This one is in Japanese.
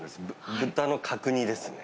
豚の角煮ですね。